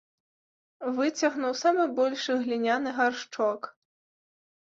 Выцягнуў самы большы гліняны гаршчок.